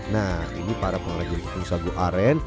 nah ini para pengrajin tepung sagu aren